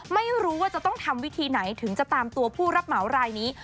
ไม่รู้ว่าจะต้องทำวิธีไหนถึงจะตามตัวผู้รับเหมารายนี้